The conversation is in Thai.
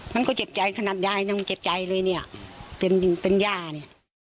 มันก็เจ็บใจขนาดยายมันเจ็บใจเลยเนี่ยเป็นย่าน